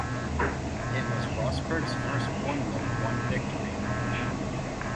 It was Rosberg's first Formula One victory.